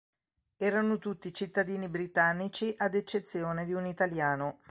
Erano tutti cittadini britannici a eccezione di un italiano.